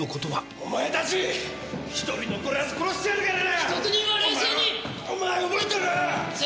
お前たち１人残らず殺してやるからな！